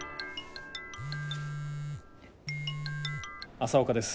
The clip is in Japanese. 朝岡です。